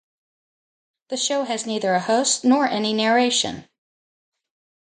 The show has neither a host nor any narration.